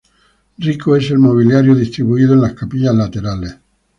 Rico es el mobiliario distribuido en las capillas laterales.